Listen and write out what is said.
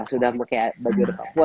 sudah pakai baju adat papua